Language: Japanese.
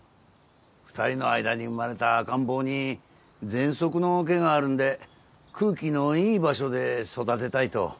２人の間に生まれた赤ん坊にぜんそくの気があるんで空気のいい場所で育てたいと。